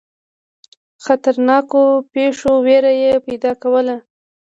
خطرناکو پیښو وېره یې پیدا کوله.